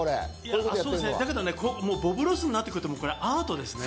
そうですね、ボブ・ロスになってくるとアートです。